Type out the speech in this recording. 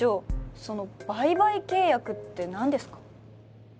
その売買契約って何ですか？